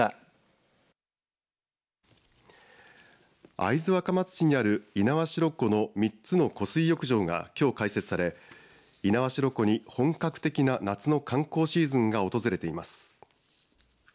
会津若松市にある猪苗代湖の３つの湖水浴場がきょう開設され猪苗代湖に本格的な夏の観光シーズンが訪れています。